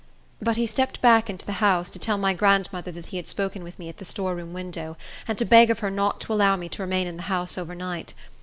But he stepped back into the house, to tell my grandmother that he had spoken with me at the storeroom window, and to beg of her not to allow me to remain in the house over night.